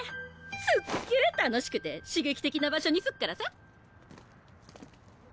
すっげぇ楽しくて刺激的な場所にすっからさ。